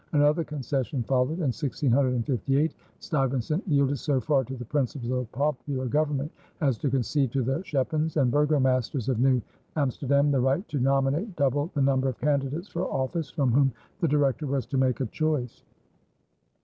Another concession followed. In 1658 Stuyvesant yielded so far to the principles of popular government as to concede to the schepens and burgomasters of New Amsterdam the right to nominate double the number of candidates for office, from whom the Director was to make a choice.